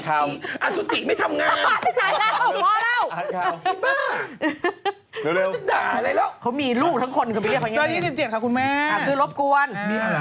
อาสูจิไม่ทำงานอ่านตายแล้วพ่อเล่า